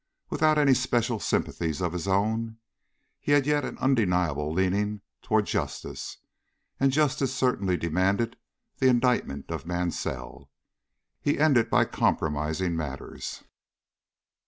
Without any special sympathies of his own, he yet had an undeniable leaning toward justice, and justice certainly demanded the indictment of Mansell. He ended by compromising matters.